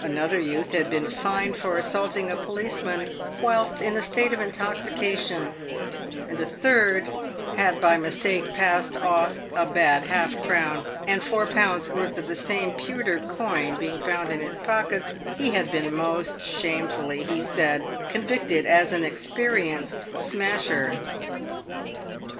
Another youth had been fined for assaulting a policeman whilst in a state of intoxication, and a third had by mistake passed off a bad half crown, and four pounds' worth of q2 228 PAVED WITH GOLD. the same pewter coin being found in his pockets, he had been most shamefully, he said, convicted as an experienced smasher.